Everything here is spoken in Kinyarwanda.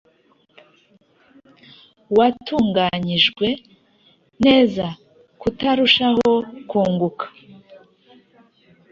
watunganyijwe neza tukarushaho kunguka.